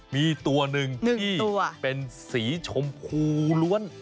มีตัวหนึ่งที่เป็นสีชมพูล้วน